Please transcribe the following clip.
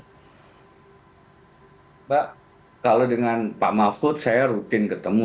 mbak kalau dengan pak mahfud saya rutin ketemu